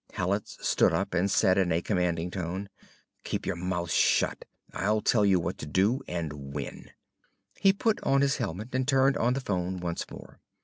Hallet stood up and said in a commanding tone; "Keep your mouth shut. I'll tell you what to do and when." He put on his helmet and turned on the phone once more.